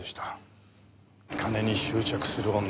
金に執着する女。